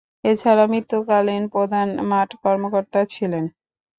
এছাড়াও, মৃত্যুকালীন প্রধান মাঠ কর্মকর্তা ছিলেন।